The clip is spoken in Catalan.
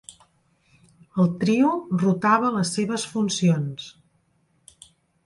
El trio rotava les seves funcions.